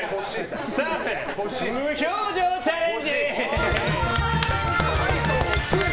澤部無表情チャレンジ！